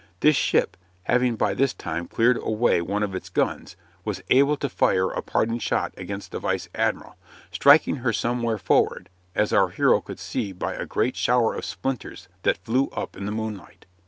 This ship, having by this time cleared away one of its guns, was able to fire a parting shot against the vice admiral, striking her somewhere forward, as our hero could see by a great shower of splinters that flew up in the moonlight.